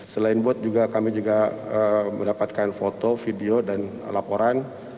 selain bot juga kami juga mendapatkan foto video dan laporan